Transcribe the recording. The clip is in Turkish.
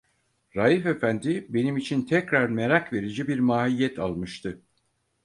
Raif efendi, benim için tekrar merak verici bir mahiyet almıştı.